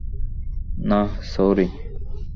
না, সরি।